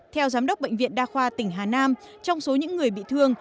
theo giám đốc bệnh viện đa khoa tỉnh hà nam trong số những người bị thương